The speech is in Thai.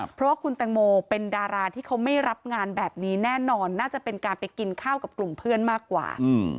เพราะว่าคุณแตงโมเป็นดาราที่เขาไม่รับงานแบบนี้แน่นอนน่าจะเป็นการไปกินข้าวกับกลุ่มเพื่อนมากกว่า